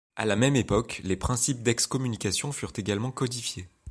À la même époque, les principes d'excommunication furent également codifiés.